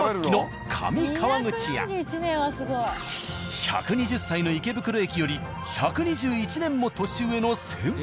１２０歳の池袋駅より１２１年も年上の先輩。